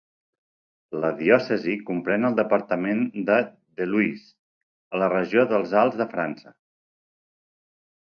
La diòcesi comprèn el departament de l'Oise, a la regió dels Alts de França.